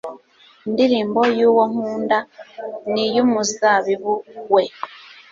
indirimbo y'uwo nkunda n'iy'umuzabibu we